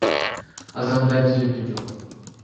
Азыр андай түзөтүү жок.